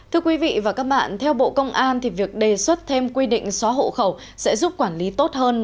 thưa quý vị và các bạn theo bộ công an thì việc đề xuất thêm quy định xóa hộ khẩu sẽ giúp quản lý tốt hơn